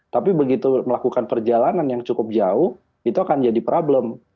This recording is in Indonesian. tapi begitu melakukan perjalanan yang cukup jauh itu akan jadi problem